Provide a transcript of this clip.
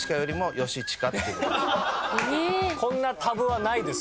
こんなタブはないです